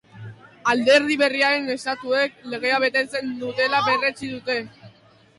Alderdi berriaren estatutuek legea betetzen dutela berretsi dute.